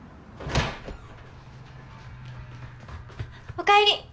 ・おかえり！